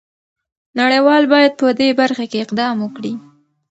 نړۍ وال باید په دې برخه کې اقدام وکړي.